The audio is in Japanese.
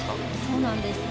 そうなんです。